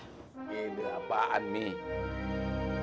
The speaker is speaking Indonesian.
ide apaan nih